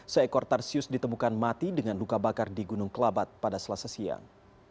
seekor tarsius ditemukan mati dengan luka bakar di gunung kelabat pada selasa siang